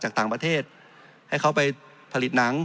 จริงโครงการนี้มันเป็นภาพสะท้อนของรัฐบาลชุดนี้ได้เลยนะครับ